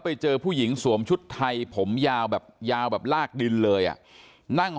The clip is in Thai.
ไปเจอผู้หญิงสวมชุดไทยผมยาวแบบยาวแบบลากดินเลยอ่ะนั่ง